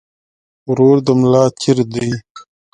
ورور د ملا تير دي